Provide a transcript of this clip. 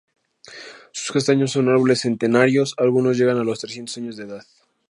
Sus castaños son árboles centenarios, algunos llegan a los trescientos años de edad.